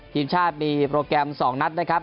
ทีมชาติมีโปรแกรม๒นัดนะครับ